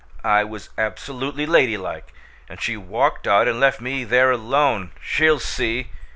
I was absolutely ladylike, and she walked out and left me there alone! She'll SEE!